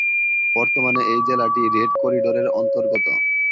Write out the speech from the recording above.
বর্তমানে এই জেলাটি রেড করিডোরের অন্তর্গত।